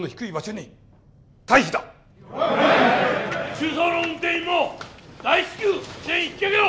中操の運転員も大至急全員引き揚げろ！